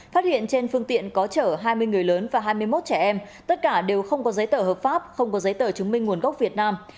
phát hiện trên phương tiện có chở hai mươi người lớn và hai mươi một trẻ em tất cả đều không có giấy tờ hợp pháp không có giấy tờ chứng minh nguồn gốc việt nam